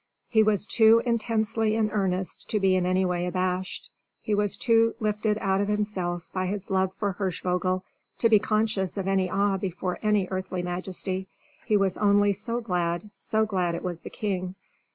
He was too intensely in earnest to be in any way abashed; he was too lifted out of himself by his love for Hirschvogel to be conscious of any awe before any earthly majesty. He was only so glad so glad it was the king.